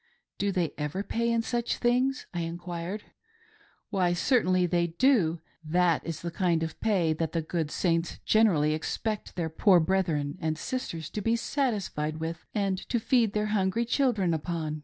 " Do they ever pay in such things .'" I enquired. "Why certainly ttey do. That is the kind of pay that the good Saints generally expect their poor brethren and sisters to be satisfied with, and to feed their hungry children upon.